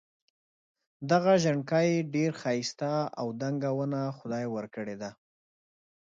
دغه ژڼکی ډېر ښایسته او دنګه ونه خدای ورکړي ده.